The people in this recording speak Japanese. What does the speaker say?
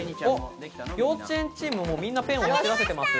幼稚園チーム、みんなペンを走らせてます。